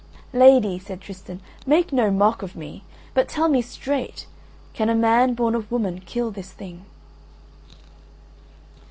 "Lady," said Tristan, "make no mock of me, but tell me straight: Can a man born of woman kill this thing?"